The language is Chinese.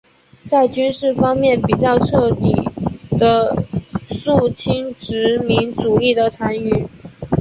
在军事方面比较彻底地肃清殖民主义的残余。